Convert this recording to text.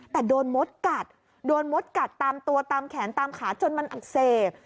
แต่โดนมดกัดโดนมดกัดตามตัวตามแขนตามขาจนมันอักเสบ